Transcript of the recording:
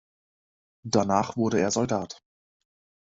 Danach wurde er Soldat.